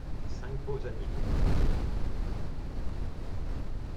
Cinq beaux animaux.